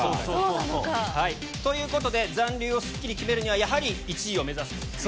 そうなのか。ということで残留をすっきり決めるにはやはり１位を目指すと。